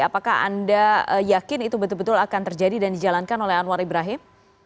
apakah anda yakin itu betul betul akan terjadi dan dijalankan oleh anwar ibrahim